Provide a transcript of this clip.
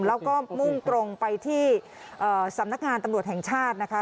แล้วก็มุ่งตรงไปที่สำนักงานตำรวจแห่งชาตินะคะ